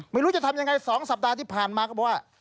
ไม่รู้จะทำยังไง๒สัปดาห์ที่ผ่านมาก็บอกว่า